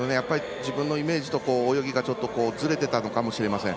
自分のイメージと泳ぎがずれていたのかもしれません。